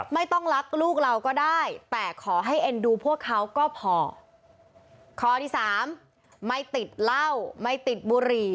ไม่ต้องรักลูกเราก็ได้แต่ขอให้เอ็นดูพวกเขาก็พอข้อที่สามไม่ติดเหล้าไม่ติดบุหรี่